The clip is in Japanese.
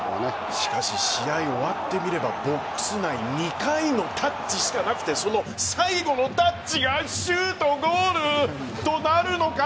しかし試合が終わってみればボックス内２回のタッチしかなくてその最後のタッチがシュート、ゴールとなるのか。